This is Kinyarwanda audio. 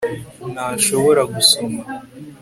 ntashobora gusoma